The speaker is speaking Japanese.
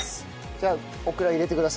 じゃあオクラ入れてください。